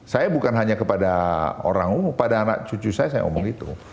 saya bukan hanya kepada orang umum pada anak cucu saya saya omong itu